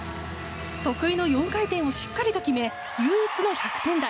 得意の４回転をしっかりと決め唯一の１００点台。